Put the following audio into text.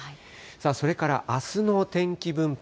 さあ、それからあすの天気分布